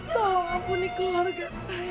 tolong ampuni keluarga saya